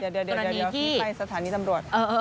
เดี๋ยวพี่ไปสถานีตำรวจ